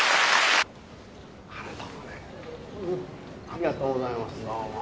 ありがとうございますどうも。